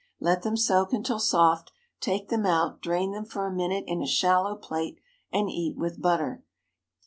Let them soak until soft, take them out, drain them for a minute in a shallow plate, and eat with butter.